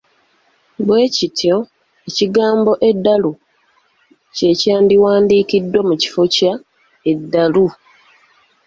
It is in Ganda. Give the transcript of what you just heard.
Bwe kityo, ekigambo ‘edalu’ kye kyandiwandiikiddwa mu kifo kya ‘eddalu.’